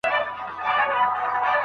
آیا سابه تر غوښو ژر هضمېږي؟